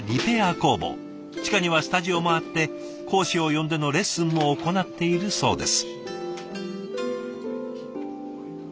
地下にはスタジオもあって講師を呼んでのレッスンも行っているそうです。